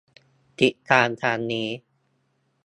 ติดตามทางนี้